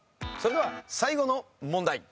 それでは最後の問題。